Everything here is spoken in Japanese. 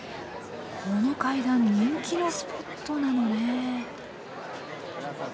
この階段人気のスポットなのね。